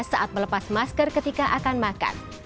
saat melepas masker ketika akan makan